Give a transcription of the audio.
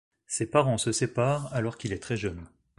Ses parents se séparent alors qu’il est très jeune.